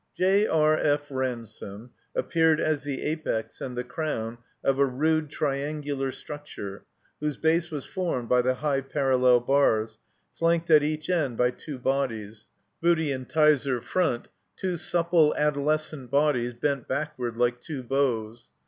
J. R. F. Ransome appeared as the apex and the crown of a rude triangular structure whose base was formed by the high parallel bars, flanked at each end by two bodies (Booty and Tyser front), two supple adolescent bodies, bent backward like two bows.